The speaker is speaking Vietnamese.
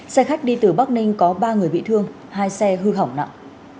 xe khách đi từ bắc ninh có ba người bị thương hai xe hư hỏng nặng